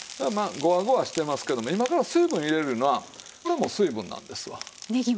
まあゴワゴワしてますけども今から水分入れるいうのはこれも水分なんですわ。